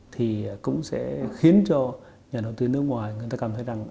thì cũng sẽ khiến cho nhà đầu tư nước ngoài người ta cảm thấy rằng